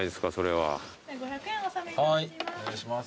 はいお願いします。